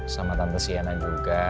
sama tante siana juga